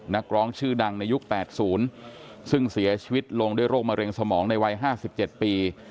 นักร้องชื่อดังในยุคแปดศูนย์ซึ่งเสียชีวิตลงด้วยโรคมะเร็งสมองในวัยห้าสิบเจ็ดปี